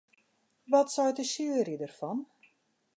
Wat seit de sjuery derfan?